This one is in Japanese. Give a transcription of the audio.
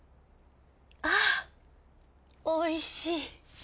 あおいしい。